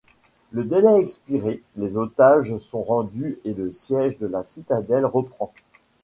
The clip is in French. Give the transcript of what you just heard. Le délai expiré, les otages sont rendus et le siège de la citadelle reprend.